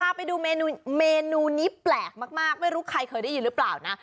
พาไปดูเมนูนี้แปลกมากไม่รู้ใครเคยได้ยินหรือเปล่านะ